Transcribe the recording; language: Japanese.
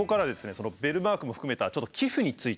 そのベルマークも含めたちょっと寄付について。